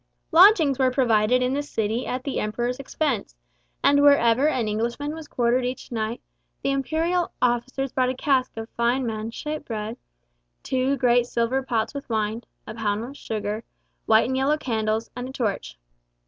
Lodgings were provided in the city at the Emperor's expense, and wherever an Englishman was quartered each night, the imperial officers brought a cast of fine manchet bread, two great silver pots with wine, a pound of sugar, white and yellow candles, and a torch.